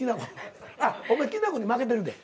あっお前きな粉に負けてるで。